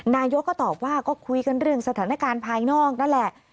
นายกก็ตอบว่าก็คุยกันเรื่องสถานการณ์ภายนอกนั่นแหละ